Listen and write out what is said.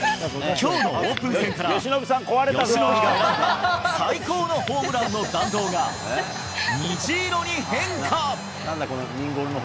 きょうのオープン戦から、由伸が選んだ最高のホームランの弾道が、虹色に変化。